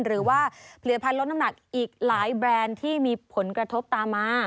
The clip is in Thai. หรือว่าผลิตภัณฑ์ลดน้ำหนักอีกหลายแบรนด์ที่มีผลกระทบตามมา